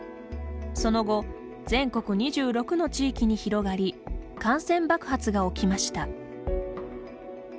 その後、全国２６の地域に広がり感染爆発が起きました。